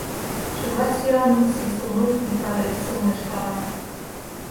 Чыла сӱаным Свистунов Микале сылнештара.